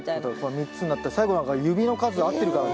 ３つになったり最後なんか指の数合ってるからね。